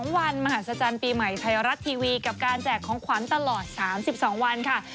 วันมหาศจรรย์ปีใหม่ไทยรัฐทีวีกับการแจกของขวัญตลอด๓๒วันค่ะ